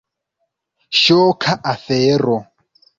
Ŝoka afero.